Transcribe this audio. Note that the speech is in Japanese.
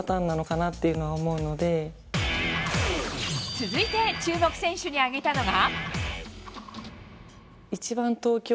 続いて注目選手に挙げたのが。